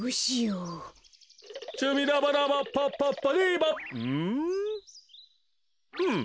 うん？